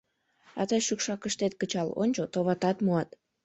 А тый шӱкшакыштет кычал ончо, товатат муат.